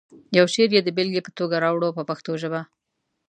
یو شعر یې د بېلګې په توګه راوړو په پښتو ژبه.